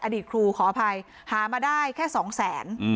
อดีตครูขออภัยหามาได้แค่สองแสน